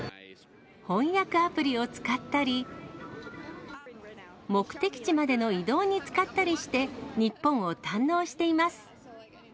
翻訳アプリを使ったり、目的地までの移動に使ったりして、日本を堪能しています。